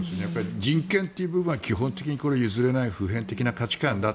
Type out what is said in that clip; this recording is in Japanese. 人権という部分は基本的に譲れない普遍的な価値観だ